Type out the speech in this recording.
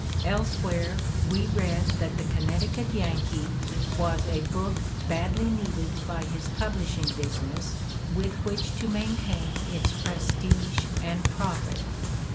Elsewhere we read that the "Connecticut Yankee" "was a book badly needed by his publishing business with which to maintain its prestige and profit."